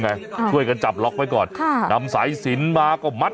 ช่วยกันจับล็อกไว้ก่อนค่ะนำสายสินมาก็มัด